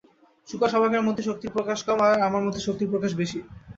শূকরশাবকের মধ্যে শক্তির প্রকাশ কম, আর আমার মধ্যে শক্তির প্রকাশ বেশী।